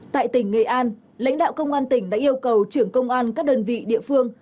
tại tỉnh nghệ an lãnh đạo công an tỉnh đã yêu cầu trưởng công an các đơn vị địa phương